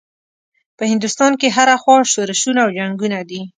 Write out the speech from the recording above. په هندوستان کې هره خوا شورشونه او جنګونه دي.